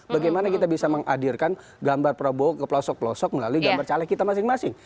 bagaimana kita bisa menghadirkan gambar prabowo ke pelosok pelosok melalui gambar caleg kita masing masing